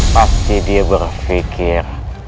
pasti dia berpikir